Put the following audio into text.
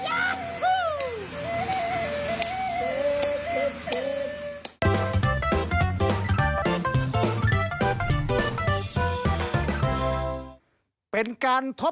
ย้ายหลานคู่